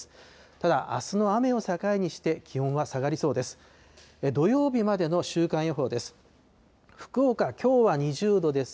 ただ、あすの雨を境にして、気温は下がりそうです。